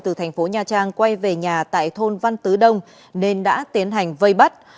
từ thành phố nha trang quay về nhà tại thôn văn tứ đông nên đã tiến hành vây bắt